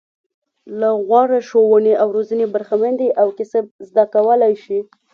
له غوره ښوونې او روزنې برخمن دي او کسب زده کولای شي.